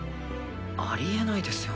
ありえないですよ。